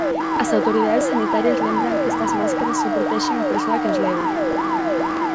As autoridades sanitarias lembran que estas máscaras só protexen a persoa que as leva.